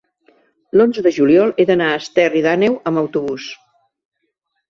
l'onze de juliol he d'anar a Esterri d'Àneu amb autobús.